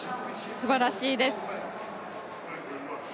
すばらしいです。